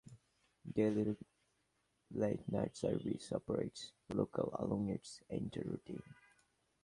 Daily late night service operates local along its entire route.